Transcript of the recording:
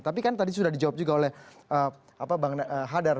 tapi kan tadi sudah dijawab juga oleh bang hadar